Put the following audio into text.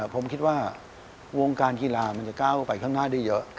ผมคิดว่าวงการกีฬามันจะก้าวไปข้างหน้าได้เยอะ